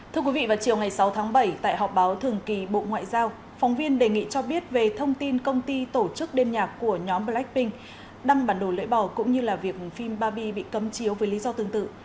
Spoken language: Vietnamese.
thưa quý vị vào chiều ngày sáu tháng bảy tại họp báo thường kỳ bộ ngoại giao phóng viên đề nghị cho biết về thông tin công ty tổ chức đêm nhạc của nhóm blackpink đăng bản đồ lưỡi bò cũng như là việc phim baby bị cấm chiếu với lý do tương tự